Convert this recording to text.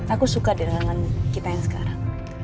aku suka dengan kita yang sekarang